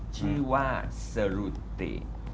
ชื่อว่าสรุติ